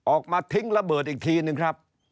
ออกมาทิ้งระเบิดอีกทีนึงครับ